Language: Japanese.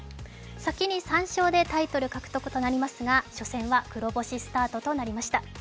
先に３勝でタイトル獲得となりますが初戦は黒星スタートとなりました。